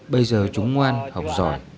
bây giờ chúng ngoan học giỏi